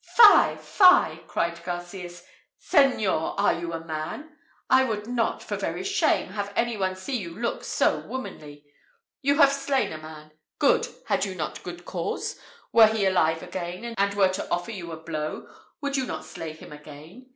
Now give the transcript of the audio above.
"Fie! fie!" cried Garcias. "Señor, are you a man? I would not, for very shame, have any one see you look so womanly. You have slain a man! good! Had you not good cause? Were he alive again, and were to offer you a blow, would you not slay him again?